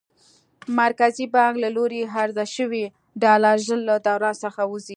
مرکزي بانک له لوري عرضه شوي ډالر ژر له دوران څخه وځي.